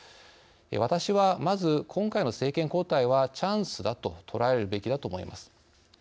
私は、まず今回の政権交代はチャンスだと捉えるべきだと思います。